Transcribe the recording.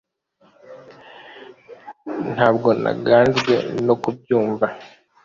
ntabwo ntangajwe no kubyumva